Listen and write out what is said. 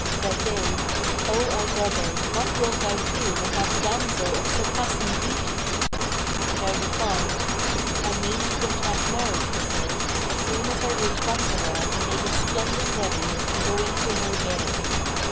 Said they, 'O our brother, what wilt thou do with that damsel of surpassing beauty?' And I replied, 'I mean to contract marriage with her, as soon as I reach Bassorah and make a splendid wedding and go in to her there.'